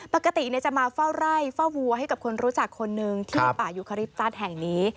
ปกติจะมาเฝ้าไร่เฝ้าวัวให้กับคนรู้จักคนหนึ่งที่ป่ายุคริปตัสแห่งนี้